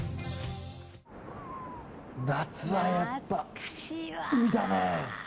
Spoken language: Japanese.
「夏はやっぱ海だね」